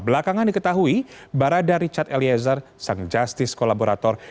belakangan diketahui barada richard eliezer sang justice kolaborator